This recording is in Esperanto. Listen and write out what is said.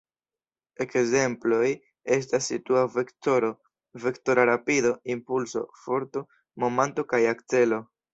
Ekzemploj estas situa vektoro, vektora rapido, impulso, forto, momanto kaj akcelo.